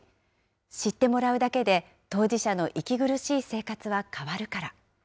知ってもらうだけで当事者の息苦しい生活は変わるから。